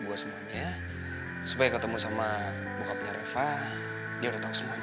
buat sama sama menakhir hubungan kita